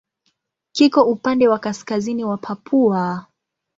Kiko upande wa kaskazini wa Papua.